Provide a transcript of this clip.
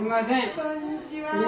こんにちは。